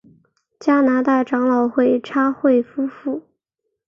加拿大长老会差会夫妇。